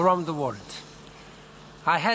คุณพระเจ้า